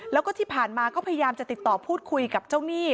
แล้วก็ที่ผ่านมาก็พยายามจะติดต่อพูดคุยกับเจ้าหนี้